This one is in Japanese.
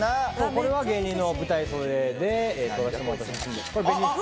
これは芸人の舞台袖で撮らせてもらった写真です。